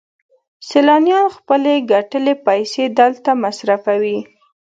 سیلانیان خپلې ګټلې پیسې دلته مصرفوي